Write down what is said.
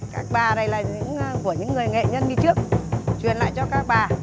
các bà này là của những người nghệ nhân đi trước truyền lại cho các bà